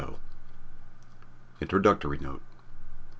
Roundel. INTRODUCTORY NOTE.